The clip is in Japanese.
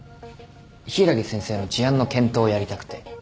柊木先生の事案の検討をやりたくて。